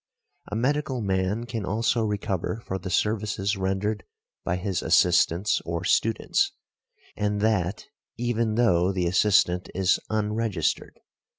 A medical man can also recover for the services rendered by his assistants or students; and that even though the assistant is unregistered .